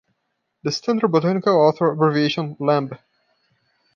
The standard botanical author abbreviation Lamb.